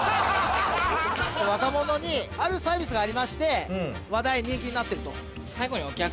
若者にあるサービスがありまして話題人気になってると。